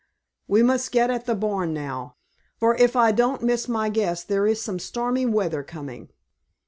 We must get at the barn now, for if I don't miss my guess there is some stormy weather coming."